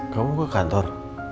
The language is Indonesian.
kamu ke kantor